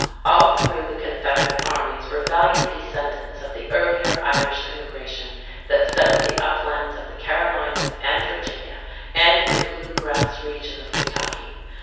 All through the Confederate armies were valiant descendants of the earlier Irish immigration that settled the uplands of the Carolinas and Virginia and the blue grass region of Kentucky.